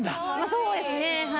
そうですねはい。